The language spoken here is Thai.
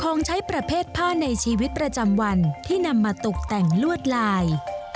ของใช้ประเภทผ้าในชีวิตประจำวันที่นำมาตกแต่งลวดลาย